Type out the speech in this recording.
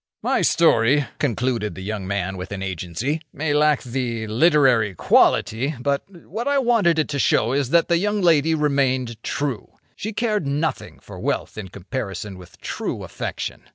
"My story," concluded the young man with an Agency, "may lack the literary quality; but what I wanted it to show is that the young lady remained true. She cared nothing for wealth in comparison with true affection.